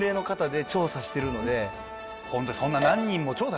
ホントにそんな。